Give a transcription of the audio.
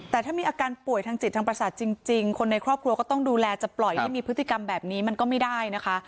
แต่ถ้ามีอาการป่วยทางจิตทางประสาทจริงคนในครอบครัวก็ต้องดูแลจะปล่อยให้มีพฤติกรรมแบบนี้มันก็ไม่ได้นะคะ